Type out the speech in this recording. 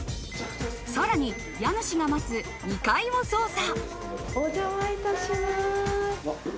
さらに家主が待つ２階を捜査。